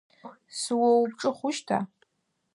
Сыоупчӏы хъущта?